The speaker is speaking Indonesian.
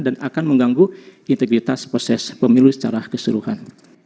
akan mengganggu integritas proses pemilu secara keseluruhan